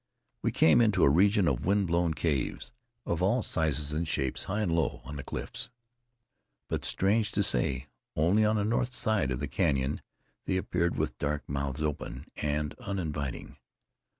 We came into a region of wind worn caves, of all sizes and shapes, high and low on the cliffs; but strange to say, only on the north side of the canyon they appeared with dark mouths open and uninviting.